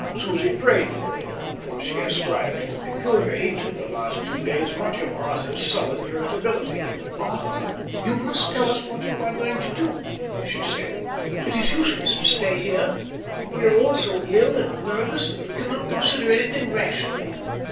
Susie prayed for it; for she ascribed to the peculiar heat of the last few days much of Arthur's sullen irritability. "Arthur, you must tell us what you are going to do," she said. "It is useless to stay here. We are all so ill and nervous that we cannot consider anything rationally.